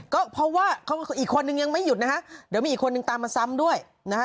ก็เพราะว่าอีกคนนึงยังไม่หยุดนะฮะเดี๋ยวมีอีกคนนึงตามมาซ้ำด้วยนะฮะ